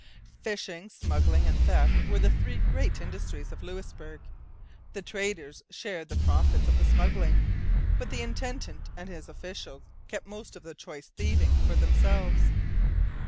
Fishing, smuggling, and theft were the three great industries of Louisbourg. The traders shared the profits of the smuggling. But the intendant and his officials kept most of the choice thieving for themselves.